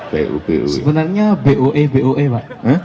sebenarnya b o e b o e pak